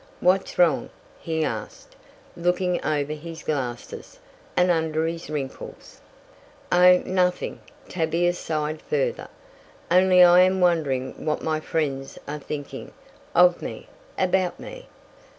"What's wrong?" he asked, looking over his glasses, and under his wrinkles. "Oh, nothing," Tavia sighed further. "Only I am wondering what my friends are thinking of me about me."